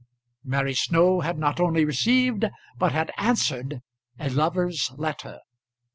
Mary Snow had not only received but had answered a lover's letter.